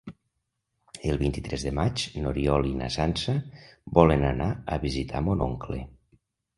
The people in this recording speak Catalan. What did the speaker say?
El vint-i-tres de maig n'Oriol i na Sança volen anar a visitar mon oncle.